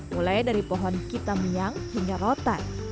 mulai dari pohon kitam yang hingga rotan